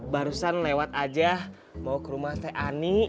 barusan lewat aja mau ke rumah saya ani